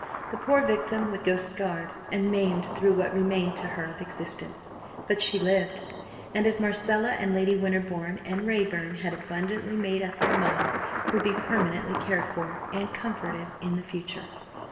The poor victim would go scarred and maimed through what remained to her of existence. But she lived; and as Marcella and Lady Winterbourne and Raeburn had abundantly made up their minds would be permanently cared for and comforted in the future.